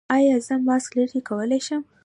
ایا زه ماسک لرې کولی شم؟